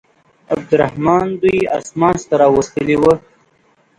عبدالرحمن دوی اسماس ته راوستلي وه.